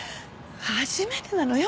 初めてなのよ